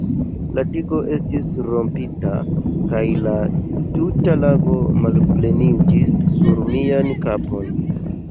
La digo estis rompita, kaj la tuta lago malpleniĝis sur mian kapon.